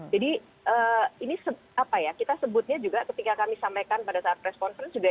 jadi ini apa ya kita sebutnya juga ketika kami sampaikan pada saat press conference